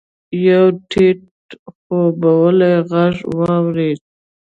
يو ټيټ خوبولی ږغ يې واورېد.